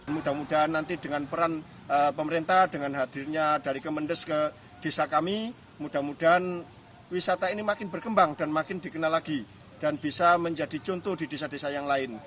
mudah mudahan nanti dengan peran pemerintah dengan hadirnya dari kemendes ke desa kami mudah mudahan wisata ini makin berkembang dan makin dikenal lagi dan bisa menjadi contoh di desa desa yang lain